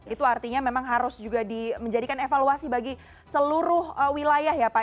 itu artinya memang harus juga menjadikan evaluasi bagi seluruh wilayah ya pak